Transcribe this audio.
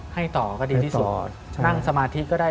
ให้ต่อก็ดีที่สุดนั่งสมาธิก็ได้